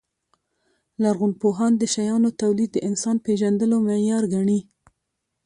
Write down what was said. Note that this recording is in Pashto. لرغونپوهان د شیانو تولید د انسان پېژندلو معیار ګڼي.